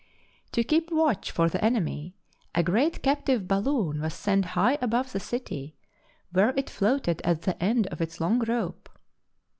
To keep watch for the enemy, a great captive balloon was sent high above the city, where it float ed at the end of its long rope.